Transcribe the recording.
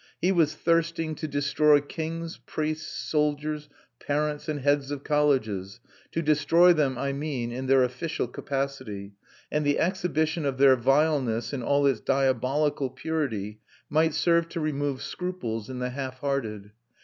He was thirsting to destroy kings, priests, soldiers, parents, and heads of colleges to destroy them, I mean, in their official capacity; and the exhibition of their vileness in all its diabolical purity might serve to remove scruples in the half hearted.